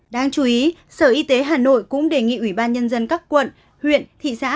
đáng chú ý sở y tế hà nội cũng đề nghị ủy ban nhân dân các quận huyện thị xã